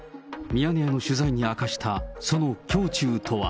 ミヤネ屋の取材に明かしたその胸中とは。